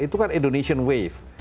itu kan indonesian wave